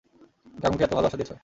গাঙুকে এতো ভালোবাসা দিয়েছো।